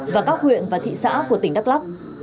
và các huyện và thị xã của tỉnh đắk lắc